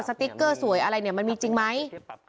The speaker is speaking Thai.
สติ๊กเกอร์สวยอะไรเนี่ยมันมีจริงไหม